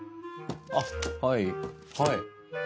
あっはいはいはい。